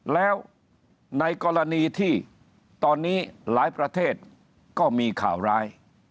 แล้วในกรณีที่ตอนนี้หลายประเทศก็มีข่าวร้าย